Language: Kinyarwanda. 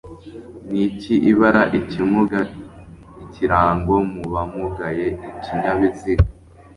Niki Ibara Ikimuga Ikirango Mubamugaye Ikinyabiziga